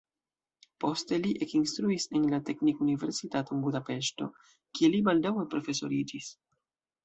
Poste li ekinstruis en la teknikuniversitato en Budapeŝto, kie li baldaŭe profesoriĝis.